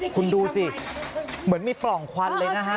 คุณดูสิเหมือนมีปล่องควันเลยนะฮะ